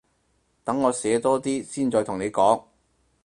等我寫多啲先再同你講